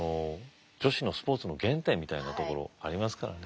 女子のスポーツの原点みたいなところありますからね。